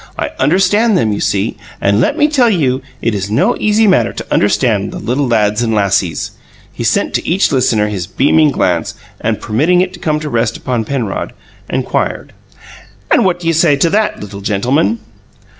I understand them, you see; and let me tell you it is no easy matter to understand the little lads and lassies." He sent to each listener his beaming glance, and, permitting it to come to rest upon Penrod, inquired: "And what do you say to that, little gentleman?"